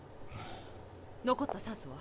残った酸素は？